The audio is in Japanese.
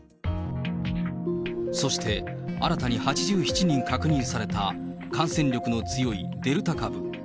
そして、新たに８７人確認された感染力の強いデルタ株。